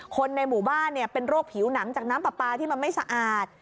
คนในหมู่บ้านเป็นโรคผิวหนังจากน้ำปลาปลาที่มันไม่สะอาด